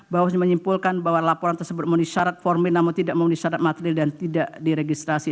bahwa menyimpulkan bahwa laporan tersebut memenuhi syarat formil namun tidak memenuhi syarat material dan tidak diregistrasi